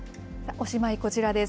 おしまい、こちらです。